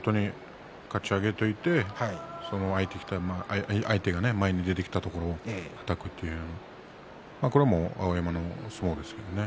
かち上げておいて相手が前に出たところをはたくというこれも碧山の相撲ですよね。